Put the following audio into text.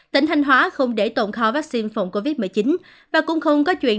tỉnh thanh hóa không để tồn kho vaccine phòng covid một mươi chín và cũng không có chuyện